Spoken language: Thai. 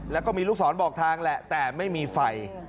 แล้วก็มีลูกศรบอกทางแหละแต่ไม่มีไฟ